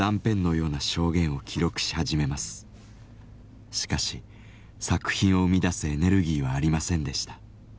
しかし作品を生み出すエネルギーはありませんでした。